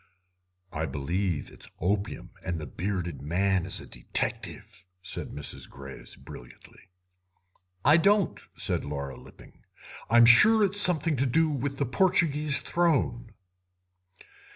"I believe it's opium, and the bearded man is a detective," said Mrs. Greyes brilliantly. "I don't," said Laura Lipping; "I'm sure it's something to do with the Portuguese Throne."